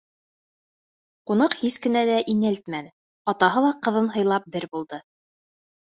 Ҡунаҡ һис кенә лә инәлтмәне, атаһы ла ҡыҙын һыйлап бер булды.